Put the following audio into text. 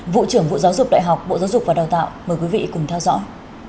vụ trưởng vụ giáo dục đại học bộ giáo dục và đào tạo mời quý vị cùng theo dõi